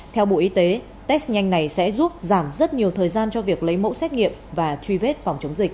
theo bộ y tế test nhanh này sẽ giúp giảm rất nhiều thời gian cho việc lấy mẫu xét nghiệm và truy vết phòng chống dịch